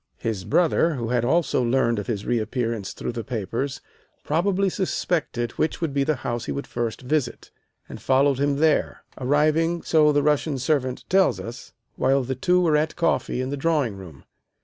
His brother, who had also learned of his reappearance through the papers, probably suspected which would be the house he would first visit, and followed him there, arriving, so the Russian servant tells us, while the two were at coffee in the drawing room.